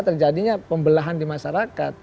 terjadinya pembelahan di masyarakat